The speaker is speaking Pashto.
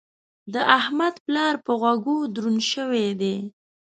د احمد پلار په غوږو دروند شوی دی.